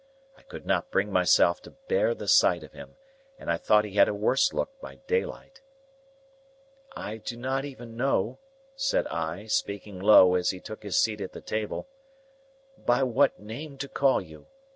I could not bring myself to bear the sight of him, and I thought he had a worse look by daylight. "I do not even know," said I, speaking low as he took his seat at the table, "by what name to call you.